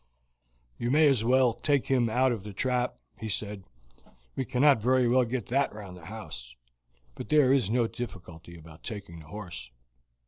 "You may as well take him out of the trap," he said. "We cannot very well get that round the house, but there is no difficulty about taking the horse."